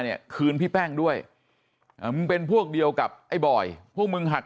เนี่ยคืนพี่แป้งด้วยมึงเป็นพวกเดียวกับไอ้บอยพวกมึงหัก